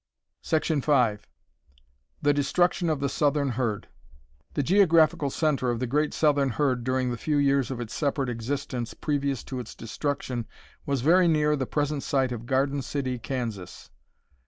5. The destruction of the southern herd. The geographical center of the great southern herd during the few years of its separate existence previous to its destruction was very near the present site of Garden City, Kansas.